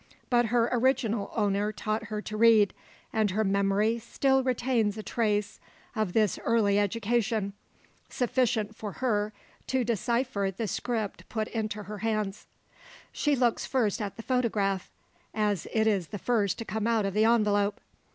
But her original owner taught her to read, and her memory still retains a trace of this early education sufficient for her to decipher the script put into her hands. She first looks at the photograph; as it is the first to come out of the envelope.